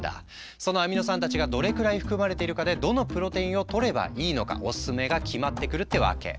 そのアミノ酸たちがどれくらい含まれているかでどのプロテインをとればいいのかオススメが決まってくるってわけ。